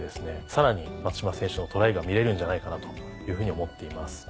さらに松島選手のトライが見れるんじゃないかなというふうに思っています。